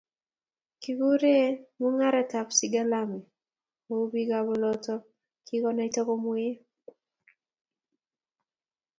Kiikure mungaretab Sigalame, kou bikap oloto kikonaita komwoei